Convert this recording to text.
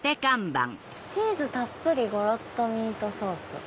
「チーズたっぷりゴロっとミートソース」。